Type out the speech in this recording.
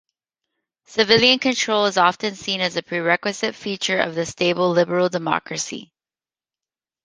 Civilian control is often seen as a prerequisite feature of a stable liberal democracy.